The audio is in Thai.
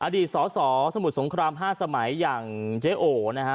อดีตสสมุทรสงคราม๕สมัยอย่างเจ๊โอนะฮะ